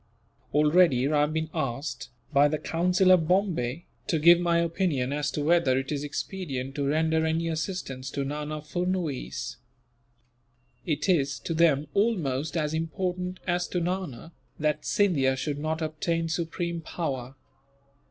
Already I have been asked, by the Council of Bombay, to give my opinion as to whether it is expedient to render any assistance to Nana Furnuwees. It is, to them, almost as important as to Nana that Scindia should not obtain supreme power.